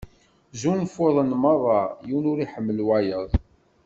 Zzunfuḍen merra, yiwen ur iḥemmel wayeḍ.